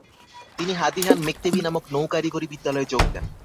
তিনি হাদিহান মেক্তেবি নামক নৌ কারিগরি বিদ্যালয়ে যোগ দেন।